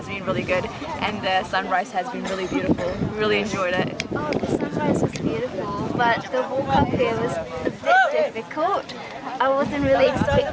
kami di sini saya sangat senang dan menikmatikan kopi ini